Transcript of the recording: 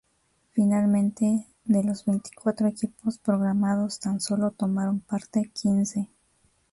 Finalmente, de los veinticuatro equipos programados, tan solo tomaron parte quince.